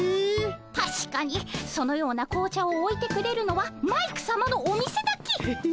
たしかにそのような紅茶をおいてくれるのはマイクさまのお店だけ。